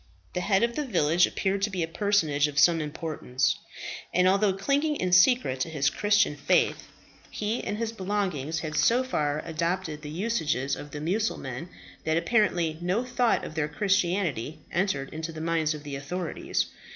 The head of the village appeared to be a personage of some importance; and although clinging in secret to his Christian faith, he and his belongings had so far adopted the usages of the Mussulmen that apparently no thought of their Christianity entered into the minds of the authorities.